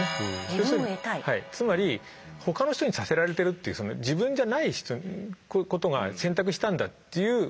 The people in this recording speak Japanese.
つまり他の人にさせられてるって自分じゃないことが選択したんだっていう。